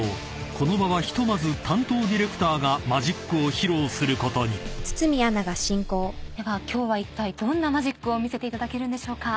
この場はひとまず担当ディレクターがマジックを披露することに］では今日はどんなマジックを見せていただけるんでしょうか？